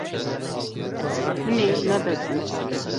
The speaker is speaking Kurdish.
Hûn ê nebezin.